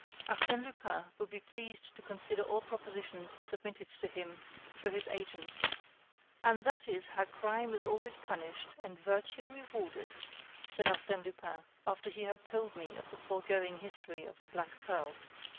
"Arsène Lupin will be pleased to consider all propositions submitted to him through his agents." "And that is how crime is always punished and virtue rewarded," said Arsène Lupin, after he had told me the foregoing history of the black pearl.